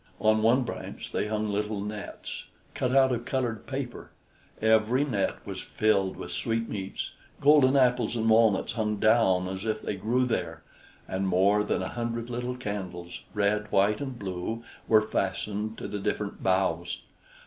On one branch they hung little nets, cut out of colored paper; every net was filled with sweetmeats; golden apples and walnuts hung down, as if they grew there, and more than a hundred little candles, red, white, and blue, were fastened to the different boughs.